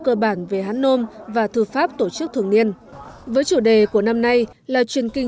cơ bản về hán nôm và thư pháp tổ chức thường niên với chủ đề của năm nay là truyền kinh